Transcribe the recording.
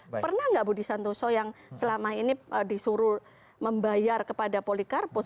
tapi pernah nggak budi santoso yang selama ini disuruh membayar kepada polikarpus